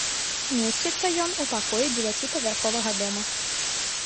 Месціцца ён у пакоі дзевяціпавярховага дома.